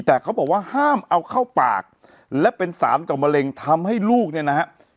แต่เขาบอกว่าห้ามเอาเข้าปากและเป็นสารกับมะเร็งทำให้ลูกเนี่ยนะฮะ